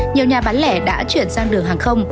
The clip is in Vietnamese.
nhiều nhà bán lẻ đã chuyển sang đường hàng không